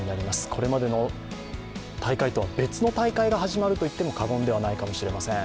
これまでの大会とは別の大会が始まるといっても過言ではないかもしれません。